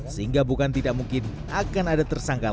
sehingga bukan tidak mungkin akan ada tersangkaan